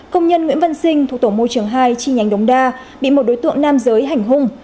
công nhân nguyễn văn sinh thuộc tổ môi trường hai chi nhánh đống đa bị một đối tượng nam giới hành hung